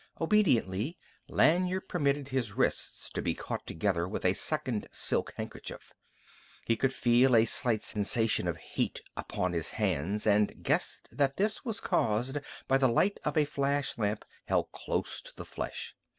Obediently Lanyard permitted his wrists to be caught together with a second silk handkerchief. He could feel a slight sensation of heat upon his hands, and guessed that this was caused by the light of a flash lamp held close to the flesh.